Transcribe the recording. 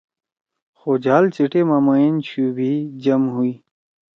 خو جھال سی ٹیما مئین شُو بھی جم ہُوئی۔